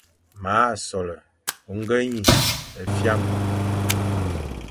M a sole ôñgeñy e fyam.